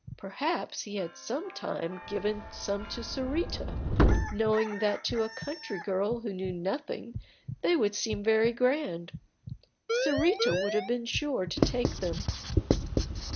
Perhaps he had at some time given some to Sarita, knowing that to a country girl who knew nothing they would seem very grand. Sarita would have been sure to take them.